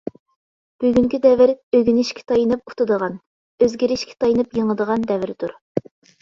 بۈگۈنكى دەۋر ئۆگىنىشكە تايىنىپ ئۇتىدىغان، ئۆزگىرىشكە تايىنىپ يېڭىدىغان دەۋردۇر!